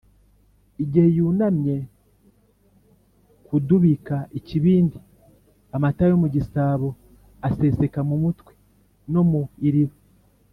igihe yunamye kudubika ikibindi, amata yo mu gisabo aseseka mu mutwe no mu iriba.